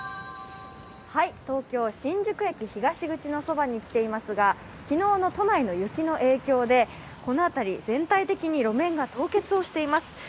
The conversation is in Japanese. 東京・新宿駅東口のそばに来ていますが、昨日の都内の雪の影響でこの辺り全体的に路面が凍結しています。